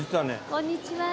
こんにちは。